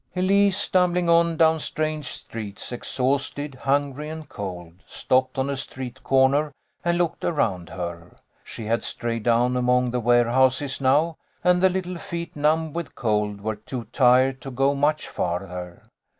Elise, stumbling on down strange streets, exhausted, hungry, and cold, stopped on a street corner and looked around her. She had strayed down among the warehouses now, and the little feet, numb with cold, were too tired to go much farther.